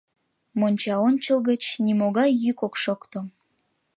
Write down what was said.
Мончаончыл гыч нимогай йӱк ок шокто.